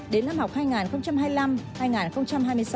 đến năm học hai nghìn hai mươi năm hai nghìn hai mươi sáu